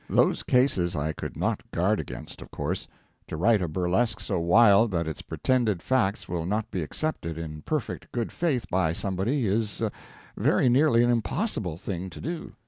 Those cases I could not guard against, of course. To write a burlesque so wild that its pretended facts will not be accepted in perfect good faith by somebody, is very nearly an impossible thing to do.